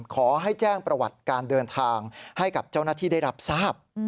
ขอให้แจ้งประวัติการเดินทางให้กับเจ้าหน้าที่ได้รับทราบ